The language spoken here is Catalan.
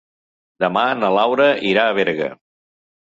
Demà na Laura irà a Berga.